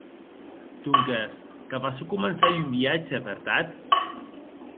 Donques que vas a començar un viatge, vertat?